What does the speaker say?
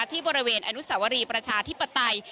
ที่บริเวณอนุสาวรีประชาธิปไตย